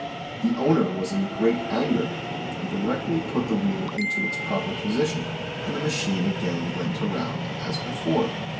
The owner was in great anger and directly put the wheel into its proper position, and the machine again went around as before.